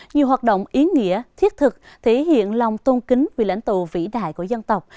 nhiều hoạt động ý nghĩa thiết thực thể hiện lòng tôn kính vì lãnh tụ vĩ đại của dân tộc